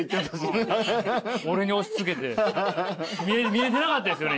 見えてなかったですよね？